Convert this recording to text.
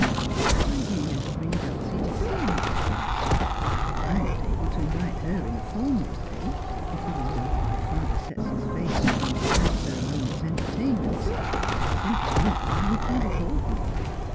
' Why do you never bring Dulcie to see me 1 ' she asked. ' I am not able to invite her in a formal way, for you know that my father sets his face against all ceremonious entertainments, for 116 Just as I Am. the simple reason that he can't afford them.